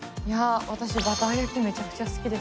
私バター焼きめちゃくちゃ好き。